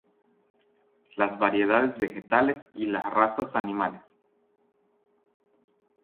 Las variedades vegetales y las razas animales.